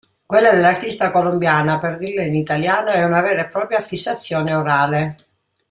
Quella dell'artista colombiana, per dirla in italiano, è una vera e propria "fissazione orale".